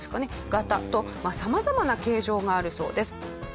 型と様々な形状があるそうです。